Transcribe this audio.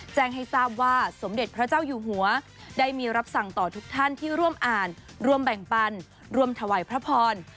แจ้งให้ทราบว่าสมเด็จพระเจ้าอยู่หัวได้มีรับสั่งต่อทุกท่านที่ร่วมอ่านร่วมแบ่งปันร่วมถวายพระพร